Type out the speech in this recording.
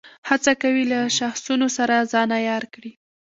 هڅه کوي له شاخصونو سره ځان عیار کړي.